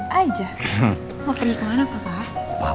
mau pergi kemana papa